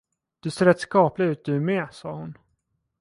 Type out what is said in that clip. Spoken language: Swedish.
Du ser rätt skaplig ut du med, sade hon.